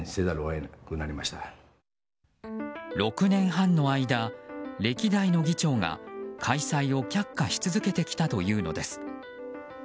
６年半の間、歴代の議長が開催を却下し続けてきたというのです。